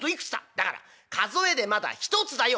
「だから数えでまだ１つだよ！」。